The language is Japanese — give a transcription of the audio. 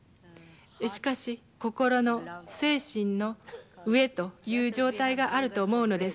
しかし、心の、精神の飢えという状態があると思うのです。